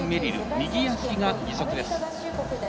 右足が義足です。